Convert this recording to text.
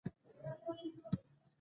اوس د دې ماشومې وار دی.